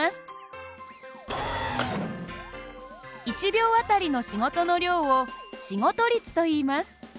１秒あたりの仕事の量を仕事率といいます。